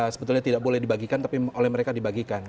sebetulnya tidak boleh dibagikan tapi oleh mereka dibagikan